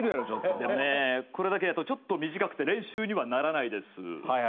でもね、これだとちょっと短くて練習にはならないです。